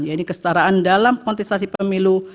yaitu kesetaraan dalam konteksasi pemilu